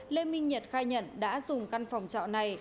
lê minh nhật khai nhận đã dùng căn phòng trọ này